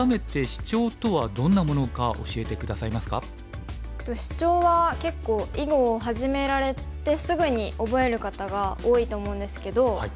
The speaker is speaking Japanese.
シチョウは結構囲碁を始められてすぐに覚える方が多いと思うんですけど。